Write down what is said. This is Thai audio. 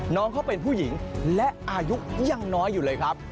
น้องเขาเป็นผู้หญิงและอายุยังน้อยอยู่เลยครับ